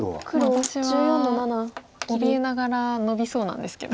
私はおびえながらノビそうなんですけど。